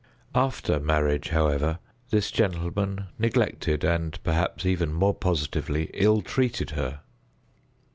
After marriage, however, this gentleman neglected, and, perhaps, even more positively ill treated her.